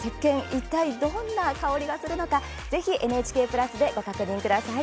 いったい、どんな香りがするのかぜひＮＨＫプラスでご確認ください。